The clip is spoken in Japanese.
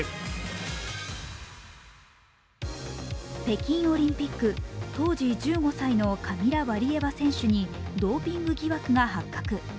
北京オリンピック、当時１５歳のカミラ・ワリエワ選手にドーピング疑惑が発覚。